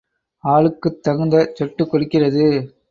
ஆளுக்குத் தகுந்த சொட்டுக் கொடுக்கிறது.